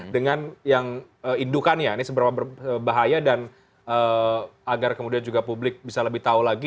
dengan yang indukannya ini seberapa berbahaya dan agar kemudian juga publik bisa lebih tahu lagi